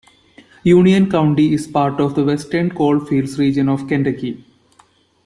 Union County is part of the Western Coal Fields region of Kentucky.